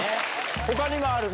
他にもある？